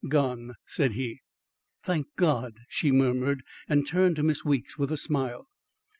"Gone," said he. "Thank God!" she murmured and turned to Miss Weeks with a smile.